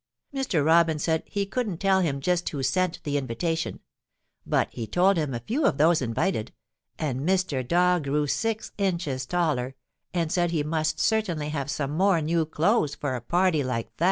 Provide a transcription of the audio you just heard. Mr. Robin said he couldn't tell him just who sent the invitation, but he told him a few of those invited, and Mr. Dog grew six inches taller and said he must certainly have some more new clothes for a party like that.